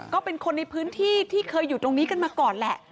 ก็เป็นคนในพื้นที่ที่เคยอยู่ตรงนี้กันมาก่อนแหละ